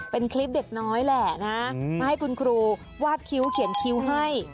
เป็นคลิปเด็กน้อยแหละนะมาให้คุณครูวาดคิ้วเขียนคิ้วให้